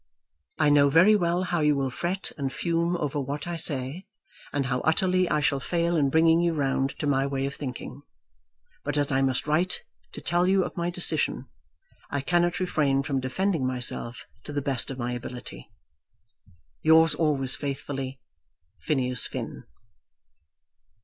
I know very well how you will fret and fume over what I say, and how utterly I shall fail in bringing you round to my way of thinking; but as I must write to tell you of my decision, I cannot refrain from defending myself to the best of my ability. Yours always faithfully, PHINEAS FINN.